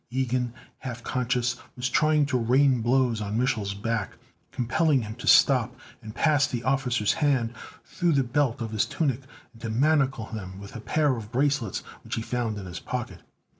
Ilgen, half conscious, was trying to rain blows on Mich'l's back, compelling him to stop and pass the officer's hands through the belt of his tunic and to manacle them with a pair of bracelets which he found in his pocket.